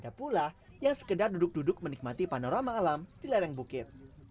dan pula yang sekedar duduk duduk menikmati panorama alam di ladang bukit